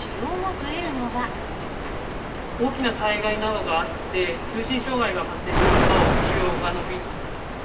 大きな災害などがあって、通信障害が発生しますと、需要が伸びる。